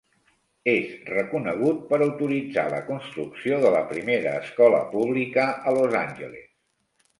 Es reconegut per autoritzar la construcció de la primera escola pública a Los Angeles.